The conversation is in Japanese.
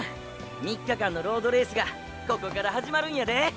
３日間のロードレースがここから始まるんやで。